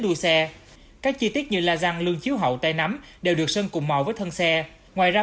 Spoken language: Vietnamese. đua xe các chi tiết như la răng lương chiếu hậu tay nắm đều được sơn cùng màu với thân xe ngoài ra